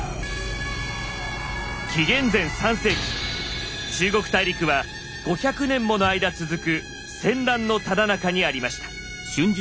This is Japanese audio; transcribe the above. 紀元前３世紀中国大陸は５００年もの間続く戦乱のただ中にありました。